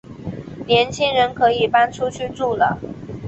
年轻人可以搬出去住了